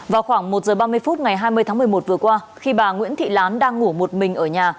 vào khoảng một giờ ba mươi phút ngày hai mươi tháng một mươi một vừa qua khi bà nguyễn thị lán đang ngủ một mình ở nhà